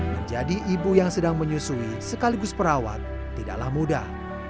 menjadi ibu yang sedang menyusui sekaligus perawat tidaklah mudah